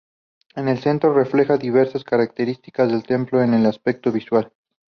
El centro refleja diversas características del Templo es en el aspecto visual.